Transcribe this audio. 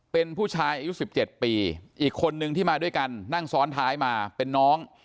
เป็นผู้ชายอายุ๑๗ปีอีกคนนึงที่มาด้วยกันนั่งซ้อนท้ายมาเป็นน้อง